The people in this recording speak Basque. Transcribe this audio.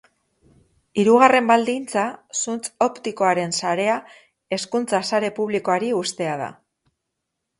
Hirugarren baldintza, zuntz-optikoaren sarea hezkuntza sare publikoari uztea da.